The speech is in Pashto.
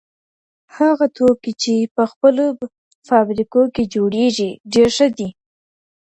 هغه توکي چې په خپلو فابریکو کي جوړیږي ډېر ښه دي.